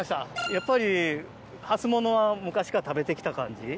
やっぱり初モノは昔から食べて来た感じ？